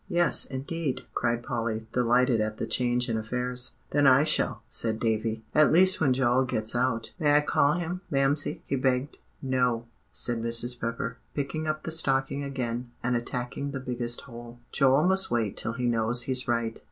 "Yes, indeed," cried Polly, delighted at the change in affairs. "Then I shall," said Davie; "at least when Joel gets out. May I call him, Mamsie?" he begged. "No," said Mrs. Pepper, picking up the stocking again, and attacking the biggest hole; "Joel must wait till he knows he's right."